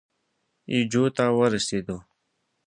اي جو ته ورسېدو.